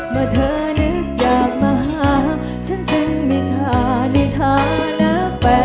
เมื่อเธอนึกอยากมาหาฉันจึงมีค่าในฐานะแฟน